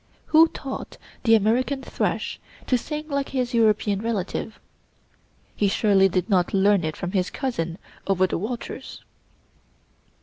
Who taught the American thrush to sing like his European relative? He surely did not learn it from his cousin over the waters.